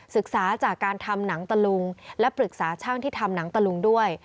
ศึกษาจากการทำหนังตะลุงและปรึกษาช่างที่ทำหนังตะลุงด้วย